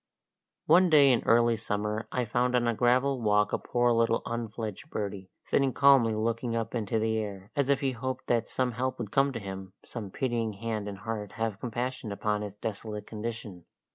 One day in early summer I found on a gravel walk a poor little unfledged birdie, sitting calmly looking up into the air, as if he hoped that some help would come to him, some pitying hand and heart have compassion upon his desolate condition.